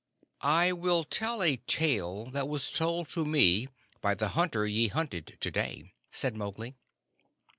"I will tell a tale that was told to me by the hunter ye hunted to day," said Mowgli.